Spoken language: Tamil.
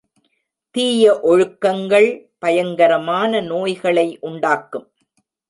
தீய ஒழுக்கங்கள் பயங்கரமான நோய்களை உண்டாக்கும்.